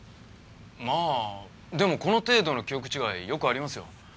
まあでもこの程度の記憶違いよくありますよ。